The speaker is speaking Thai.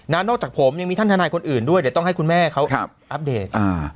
นอกจากผมยังมีท่านทนายคนอื่นต้องให้คุณแม่เขาอัปเดต